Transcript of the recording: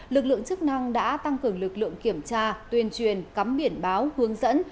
lực lượng chức năng đã tăng cường lực lượng kiểm tra tuyên truyền cắm biển báo hướng dẫn